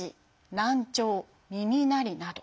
・難聴・耳鳴りなど。